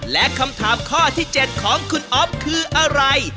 และคำถามข้อที่๗ของคุณอ๊อฟคืออะไร